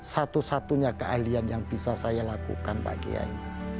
satu satunya keahlian yang bisa saya lakukan pak kiai